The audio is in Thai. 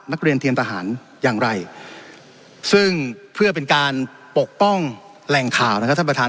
นักเรียนเตรียมทหารอย่างไรซึ่งเพื่อเป็นการปกป้องแหล่งข่าวนะครับท่านประธาน